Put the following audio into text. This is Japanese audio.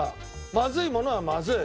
まずいものはまずい。